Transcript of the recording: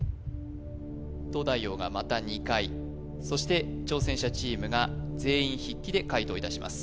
東大王がまた２回そして挑戦者チームが全員筆記で解答いたします